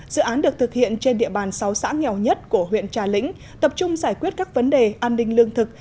dự án được thực hiện trên địa bàn sáu xã nghèo nhất của huyện trà lĩnh tập trung giải quyết các vấn đề an ninh lương thực